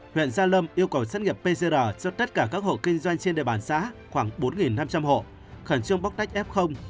huyện gia lâm yêu cầu xét nghiệm pcr cho tất cả các hộ kinh doanh trên địa bàn xã khoảng bốn năm trăm linh hộ khẩn trương bóc tách f